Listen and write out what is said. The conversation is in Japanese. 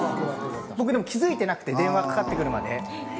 僕でも気付いてなくて電話かかって来るまで。